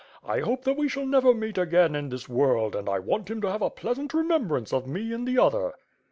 I hope that we shall never meet again in this world and I want him to have a pleasant remembrance of me in the other."